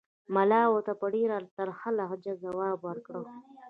ملا ورته په ډېره ترخه لهجه ځواب ورکړ.